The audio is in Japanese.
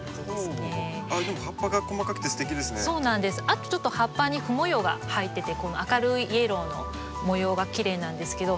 あとちょっと葉っぱにふ模様が入っててこの明るいイエローの模様がきれいなんですけど。